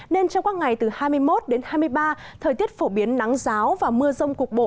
nên trong các ngày từ hai mươi một đến hai mươi ba thời tiết phổ biến nắng giáo và mưa rông cục bộ